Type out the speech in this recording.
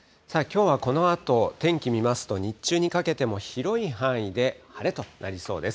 きょうはこのあと、天気見ますと、日中にかけても広い範囲で晴れとなりそうです。